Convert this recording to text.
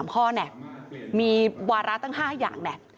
พ่อเนี่ยมีวาระตั้ง๕อย่างเนี่ย